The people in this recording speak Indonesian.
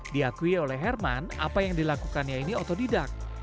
diakui oleh herman apa yang dilakukannya ini otodidak